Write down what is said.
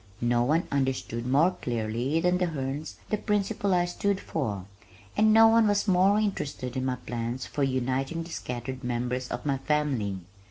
No one understood more clearly than the Hernes the principles I stood for, and no one was more interested in my plans for uniting the scattered members of my family.